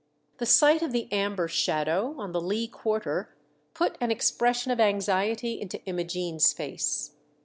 The sight of the amber shadow on the lee quarter put an expression of anxiety into Imogene's face.